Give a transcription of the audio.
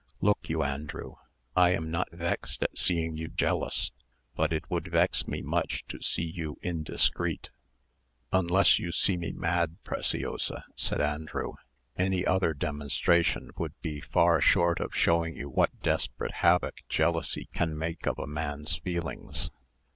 Look you, Andrew, I am not vexed at seeing you jealous, but it would vex me much to see you indiscreet." "Unless you see me mad, Preciosa," said Andrew, "any other demonstration would be far short of showing you what desperate havoc jealousy can make of a man's feelings.